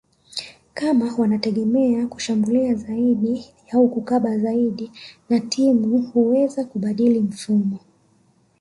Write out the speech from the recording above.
kama wanategemea kushambulia zaidi au kukaba zaidi na timu huweza kubadili mifumo